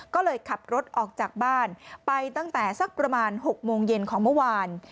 ก็เลยขับรถออกจากบ้านไปตั้งแต่สักประมาณ๖โมงเย็นของเมื่อวาน